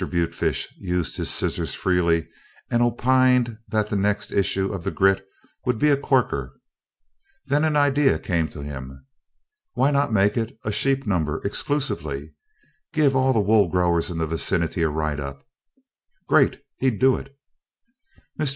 Butefish used his scissors freely and opined that the next issue of the Grit would be a corker. Then an idea came to him. Why not make it a sheep number exclusively? Give all the wool growers in the vicinity a write up. Great! He'd do it. Mr.